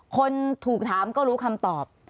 คนถูกถามก็รู้คำตอบ